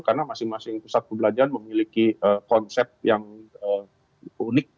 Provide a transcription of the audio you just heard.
karena masing masing pusat perbelanjaan memiliki konsep yang unik